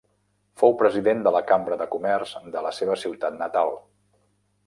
Fou president de la Cambra de Comerç de la seva ciutat natal.